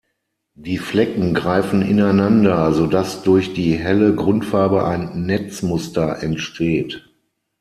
Die Flecken greifen ineinander, sodass durch die helle Grundfarbe ein Netzmuster entsteht.